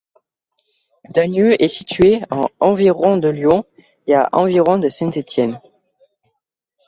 Dagneux est située à environ de Lyon et à environ de Saint-Étienne.